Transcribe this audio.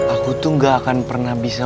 aku tuh gak akan pernah bisa